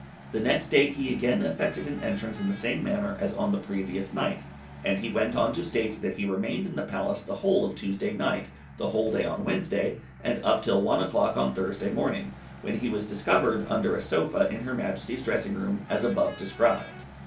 The next day he again effected an entrance in the same manner as on the previous night; and he went on to state that he remained in the Palace the whole of Tuesday night, the whole day on Wednesday, and up till one o'clock on Thursday morning, when he was discovered under a sofa in her Majesty's dressing room, as above described.